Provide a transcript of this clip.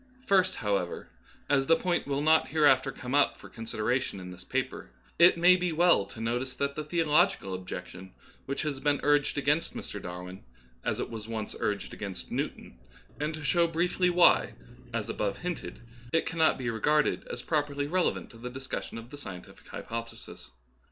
First, however, as the point will not hereafter come up for con sideration in this paper, it may be well to notice the theological objection which has been urged *against Mr. Darwin, as it was once urged against Newton, and to show briefly why, as above hinted, it cannot be regarded as properly relevant to the discussion of the scientific hypothesis.